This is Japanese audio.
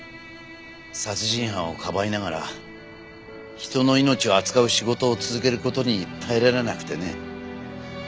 殺人犯をかばいながら人の命を扱う仕事を続ける事に耐えられなくてね。